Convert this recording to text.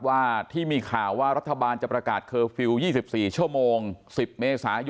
ว่าที่มีข่าวว่ารัฐบาลจะประกาศเคอร์ฟิลล์๒๔ชั่วโมง๑๐เมษายน